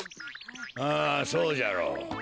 ああそうじゃろう。